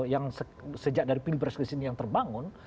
yang sejak dari pilpres ke sini yang terbangun